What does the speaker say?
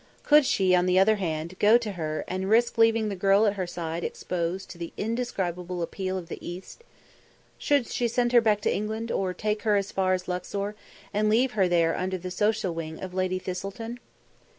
Could she, on the other hand, go to her and risk leaving the girl at her side exposed to the indescribable appeal of the East? Should she send her back to England, or take her as far as Luxor and leave her there under the social wing of Lady Thistleton?